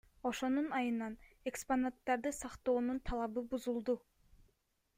Ошонун айынан экспонаттарды сактоонун талабыбузулду.